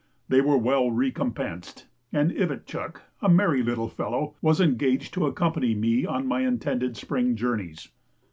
They were well recompensed; and Ivitchuk (a merry little fellow) was engaged to accompany me on my intended spring journeys.